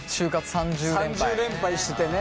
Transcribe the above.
３０連敗しててね。